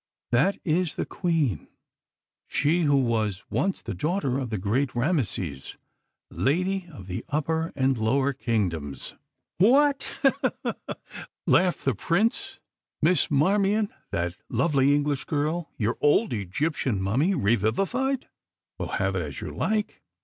That is the Queen she who was once the daughter of the great Rameses, Lady of the Upper and Lower Kingdoms." "What?" laughed the Prince. "Miss Marmion, that lovely English girl, your old Egyptian Mummy re vivified! Well, have it as you like.